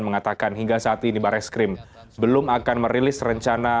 mengatakan hingga saat ini barreskrim belum akan merilis rencana